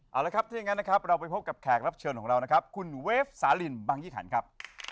เอาละครับถ้าอย่างนั้นนะครับเราไปพบกับแขกรับเชิญของเรานะครับคุณเวฟสาลินบางยี่ขันครับ